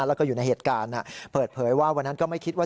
แล้วก็อยู่ในเหตุการณ์เปิดเผยว่าวันนั้นก็ไม่คิดว่า